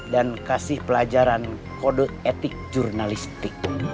dan kasih pelajaran kode etik jurnalistik